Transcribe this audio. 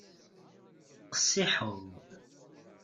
Qessiḥeḍ.